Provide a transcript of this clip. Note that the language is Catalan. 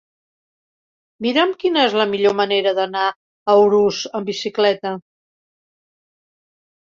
Mira'm quina és la millor manera d'anar a Urús amb bicicleta.